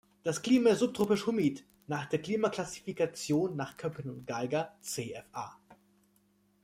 Das Klima ist subtropisch humid, nach der Klimaklassifikation nach Köppen und Geiger "Cfa".